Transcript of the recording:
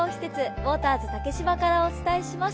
ウォーターズ竹芝からお送りします。